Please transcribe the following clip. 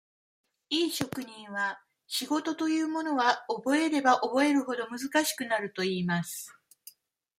いい職人は、仕事というものは、覚えれば覚えるほど、難しくなるといいます。